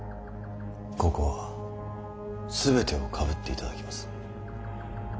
ここは全てをかぶっていただきます。